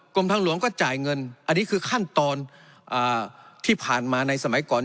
กรมทางหลวงก็จ่ายเงินอันนี้คือขั้นตอนที่ผ่านมาในสมัยก่อน